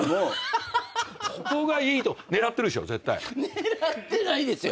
狙ってないですよ。